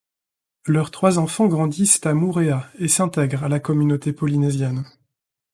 Leurs trois enfants grandissent à Moorea et s'intègrent à la communauté polynésienne.